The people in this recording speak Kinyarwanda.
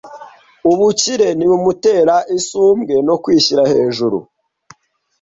Ubukire ntibumutera isumbwe no kwishyira hejuru;